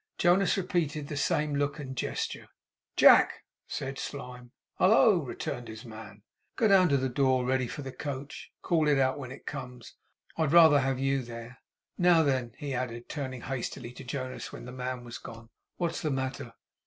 Jonas repeated the same look and gesture. 'Jack!' said Slyme. 'Hallo!' returned his man. 'Go down to the door, ready for the coach. Call out when it comes. I'd rather have you there. Now then,' he added, turning hastily to Jonas, when the man was gone. 'What's the matter?